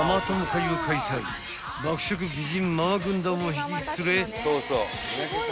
［爆食美人ママ軍団を引き連れ］